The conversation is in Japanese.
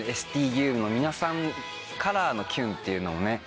ＳＴＵの皆さんカラーの『キュン』っていうのもね